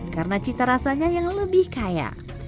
karena cita rasanya yang lebih kaya